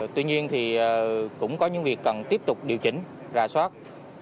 tuy nhiên thì cũng có những việc cần tiếp tục điều chỉnh ra soát